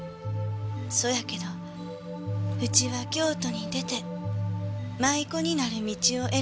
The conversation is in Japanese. そやけどうちは京都に出て舞妓になる道を選びました。